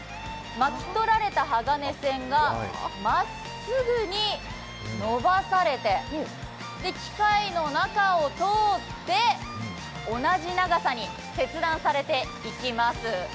巻き取られた鋼線がまっすぐにのばされて機械の中を通って同じ長さに切断されていきます。